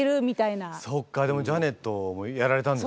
そっかでもジャネットもやられたんですもんね。